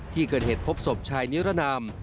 ที่เกิดเหตุพบศพชายนิรนาม